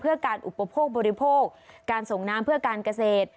เพื่อการอุปโภคบริโภคการส่งน้ำเพื่อการเกษตร